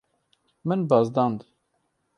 Min bizdand.